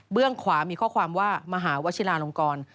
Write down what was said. ขวามีข้อความว่ามหาวชิลาลงกร